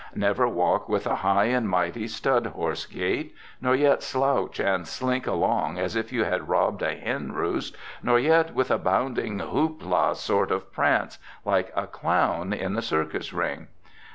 Never walk with a high and mighty stud horse gait, nor yet slouch and slink along as if you had robbed a hen roost, nor yet with a bounding hoop la sort of prance, like a clown in the circus ring.